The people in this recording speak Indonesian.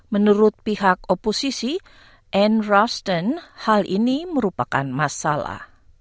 menurut pihak oposisi anne raston hal ini merupakan masalah